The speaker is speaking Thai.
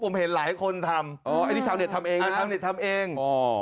ผมเห็นหลายคนทำอ๋อนี่ชาวเน็ตทำเอง